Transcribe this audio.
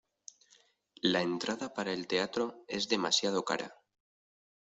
La entrada para el teatro es demasiado cara.